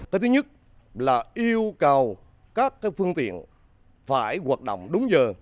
cái thứ nhất là yêu cầu các phương tiện phải hoạt động đúng giờ